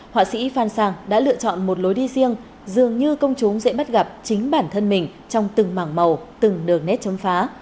họa sĩ phan sang đã lựa chọn một lối đi riêng dường như công chúng dễ bắt gặp chính bản thân mình trong từng mảng màu từng đường nét chống phá